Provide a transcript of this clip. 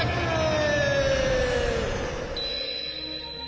はい！